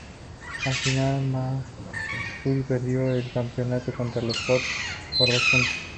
Al final, Mercury perdió el campeonato contra los Ford por dos puntos.